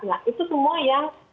nah itu semua yang